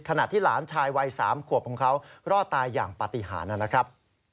ขณะที่หลานชายวัย๓ขวบของเขารอดตายอย่างปฏิหารนะครับ